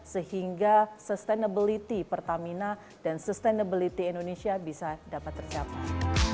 sehingga sustainability pertamina dan sustainability indonesia bisa dapat tercapai